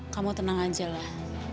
kamu tenang aja lah